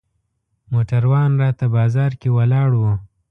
موټروان راته بازار کې ولاړ و.